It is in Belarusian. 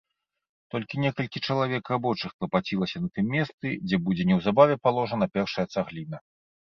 Толькі некалькі чалавек рабочых клапацілася на тым месцы, дзе будзе неўзабаве паложана першая цагліна.